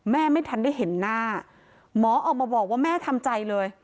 ไม่ทันได้เห็นหน้าหมอออกมาบอกว่าแม่ทำใจเลย